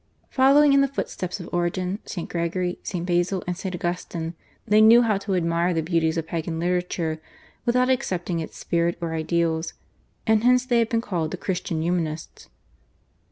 Following in the footsteps of Origen, St. Gregory, St. Basil, and St. Augustine, they knew how to admire the beauties of Pagan literature without accepting its spirit or ideals, and hence they have been called the Christian Humanists.